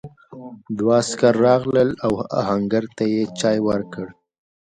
دوه عسکر راغلل او آهنګر ته یې چای ورکړ.